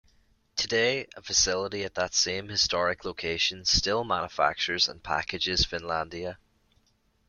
Today, a facility at that same historic location still manufactures and packages Finlandia.